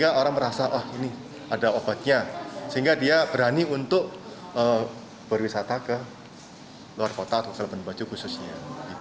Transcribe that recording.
luar kota atau seluruh bandar bajo khususnya